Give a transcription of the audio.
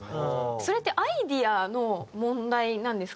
それってアイデアの問題なんですか？